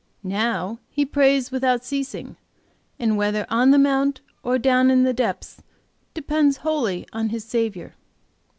Now he prays without ceasing, and whether on the mount or down in the depths depends wholly upon His Saviour.